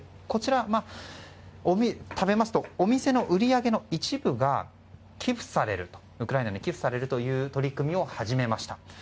こちら、食べますとお店の売り上げの一部がウクライナに寄付されるという取り組みを始めました。